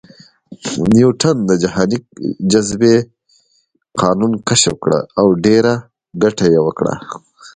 نیوټن د جهاني جاذبې قانون کشف کړ او ډېره ګټه یې وکړه